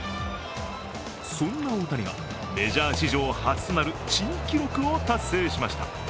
そんな大谷がメジャー史上初となる珍記録を達成しました。